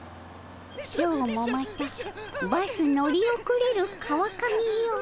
「今日もまたバス乗り遅れる川上よ